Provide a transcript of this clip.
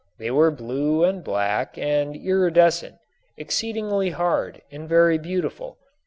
They were blue and black and iridescent, exceedingly hard and very beautiful.